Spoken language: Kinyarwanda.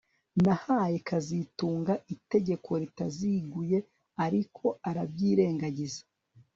Nahaye kazitunga itegeko ritaziguye ariko arabyirengagiza